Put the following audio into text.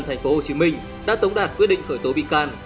thành phố hồ chí minh đã tống đạt quyết định khởi tố bị can